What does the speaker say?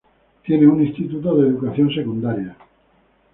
Tiene un instituto de educación secundaria.